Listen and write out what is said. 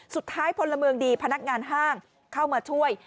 พลเมืองดีพนักงานห้างเข้ามาช่วย